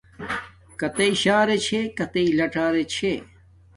کتݵَک شݳرݺ چھݺ کتݵَک لڞݳرݺ چھݺ.